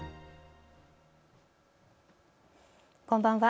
こんばんは。